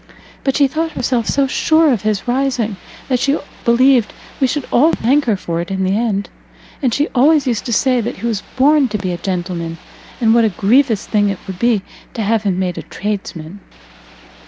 But she thought herself so sure of his rising, that she believed we should all thank her for it in the end. And she always used to say that he was born to be a gentleman, and what a grievous thing it would be to have him made a tradesman."